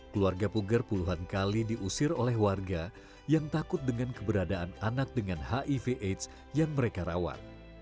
keluarga puger puluhan kali diusir oleh warga yang takut dengan keberadaan anak dengan hiv aids yang mereka rawat